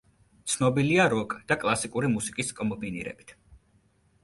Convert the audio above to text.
ცნობილია როკ და კლასიკური მუსიკის კომბინირებით.